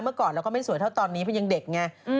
เมื่อก่อนเราก็ไม่สวยเท่าตอนนี้เพราะยังเด็กไง